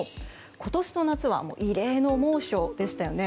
今年の夏は異例の猛暑でしたよね。